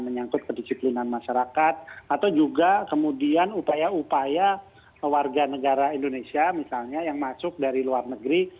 menyangkut kedisiplinan masyarakat atau juga kemudian upaya upaya warga negara indonesia misalnya yang masuk dari luar negeri